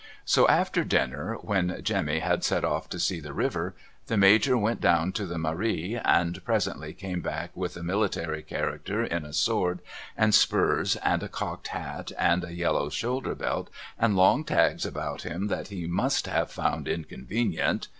So after dinner when Jemmy had set off to see the river, the ISLijor went down to the Mairie, and presently came back with a military character in a sword and spurs and a cocked hat and a yellow shoulder belt and long tags about him that he must have found inconvenient.